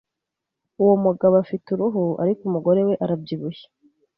Uwo mugabo afite uruhu, ariko umugore we arabyibushye.